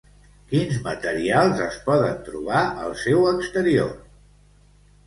Quins materials es poden trobar al seu exterior?